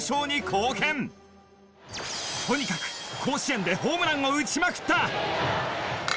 とにかく甲子園でホームランを打ちまくった！